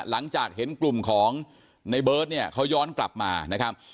หลังจากเห็นกลุ่มของในเบิร์ตเนี่ยเขาย้อนกลับมานะครับ